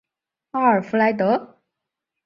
阿尔弗莱德？